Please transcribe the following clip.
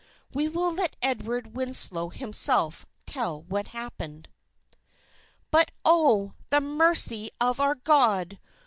We will let Edward Winslow himself, tell what happened: "But, Oh! the mercy of our God!